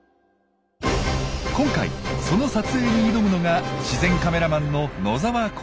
今回その撮影に挑むのが自然カメラマンの野澤耕治さん。